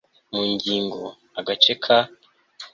mu ngingo , agace ka